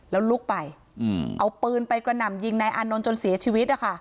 แล้วลุกไปเอาปืนไปดำยิงนายอนุชิตจนเสียชีวิต